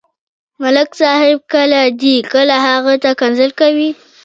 ملک صاحب کله دې، کله هغه ته کنځل کوي.